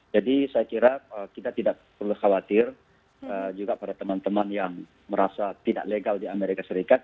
jadi saya kira kita tidak perlu khawatir juga pada teman teman yang merasa tidak legal di amerika serikat